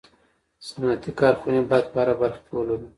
صنعتي کارخوني باید په هره برخه کي ولرو